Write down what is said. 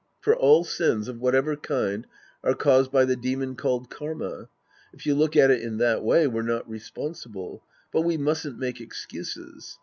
For all sins of whatever kind are caused by the demon called karma. If you look at it in that way, we're not responsible. But we mustn't make excuses.